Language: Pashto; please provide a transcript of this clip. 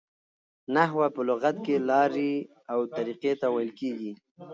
نحوه په لغت کښي لاري او طریقې ته ویل کیږي.